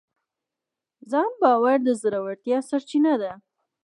ځان باور د زړورتیا سرچینه ده.